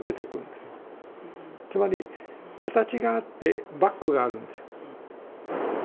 つまり形があってバックがあるんですよ。